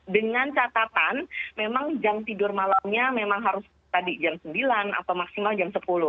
dengan catatan memang jam tidur malamnya memang harus tadi jam sembilan atau maksimal jam sepuluh